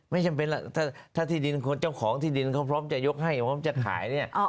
ไม่จำเป็นล่ะถ้าที่ดินคนเจ้าของที่ดินเขาพร้อมจะยกให้พร้อมจะขายเนี่ย